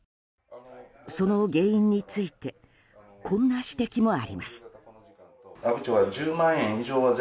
その原因についてこんな指摘もあります。